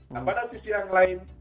nah pada sisi yang lain